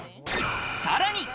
さらに。